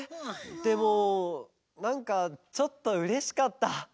でもなんかちょっとうれしかった。